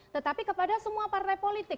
tetapi kepada semua partai politik